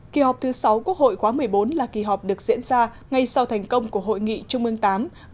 kỳ họp thứ sáu quốc hội khóa một mươi bốn là kỳ họp được diễn ra ngay sau thành công của hội nghị trung ương viii